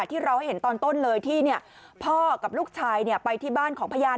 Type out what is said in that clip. ที่เราเห็นตอนต้นเลยที่เนี่ยพอกับลูกชายเนี่ยไปที่บ้านของพยาน